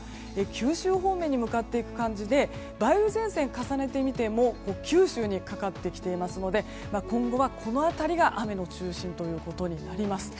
九州方面に向かっていく感じで梅雨前線を重ねてみても九州にかかってきていますので今後はこの辺りが雨の中心ということになります。